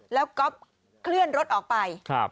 แล้วก๊อฟเคลื่อนรถออกไป